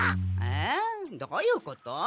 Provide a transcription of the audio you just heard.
えっどういうこと？